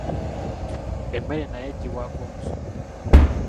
Emmere nayo eggyibwako omusolo.